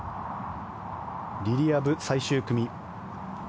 リリア・ブ、最終組。